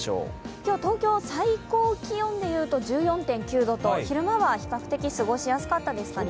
今日、東京、最高気温でいうと１４．９度と昼間は過ごしやすかったですね。